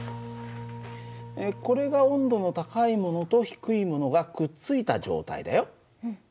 これが温度の高いものと低いものがくっついた状態だよ。